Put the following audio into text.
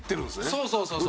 そうそうそうそう。